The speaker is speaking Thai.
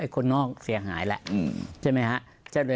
คนนอกเสียหายแล้วใช่ไหมฮะ